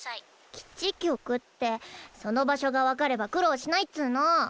基地局ってその場所が分かれば苦労しないっつの。